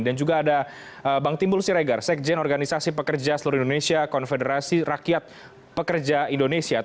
dan juga ada bang timbul siregar sekjen organisasi pekerja seluruh indonesia konfederasi rakyat pekerja indonesia